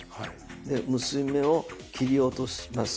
で結び目を切り落とします。